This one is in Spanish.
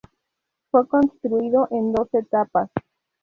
Fue construido en dos etapas.